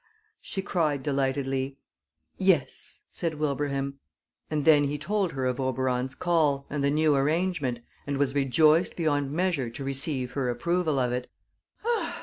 she cried, delightedly. "Yes," said Wilbraham; and then he told her of Oberon's call, and the new arrangement, and was rejoiced beyond measure to receive her approval of it.